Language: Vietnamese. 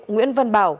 nguyễn văn bảo